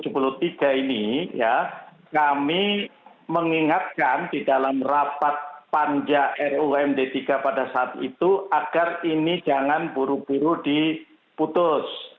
pada pasal tujuh puluh tiga ini kami mengingatkan di dalam rapat panja ru md tiga pada saat itu agar ini jangan buru buru diputus